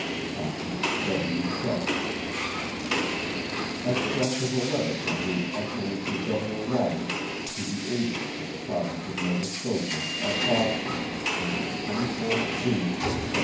(Signed) W. SHARPE. _Extract of a Letter from His Excellency Governor Lawrence, to the Agent for the Province of Nova Scotia, at Boston, dated 24th June, 1760.